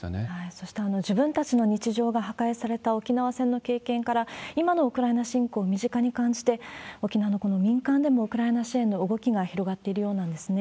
そして、自分たちの日常が破壊された沖縄戦の経験から、今のウクライナ侵攻を身近に感じて、沖縄のこの民間でもウクライナ支援の動きが広がっているようなんですね。